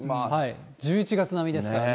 １１月並みですからね。